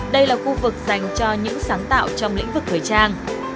đây là khu vực dành cho những sáng tạo trong lĩnh vực thời trang